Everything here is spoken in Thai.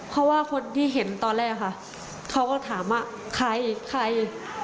เพราะว่าคนที่เห็นตอนแรกค่ะเขาก็ถามว่าใครใคร